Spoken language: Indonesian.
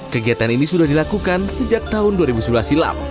kegiatan ini sudah dilakukan sejak tahun dua ribu sebelas silam